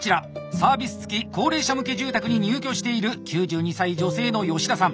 サービス付き高齢者向け住宅に入居している９２歳女性の吉田さん。